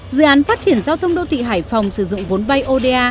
dự án phát triển giao thông đô thị hải phòng sử dụng vốn vay oda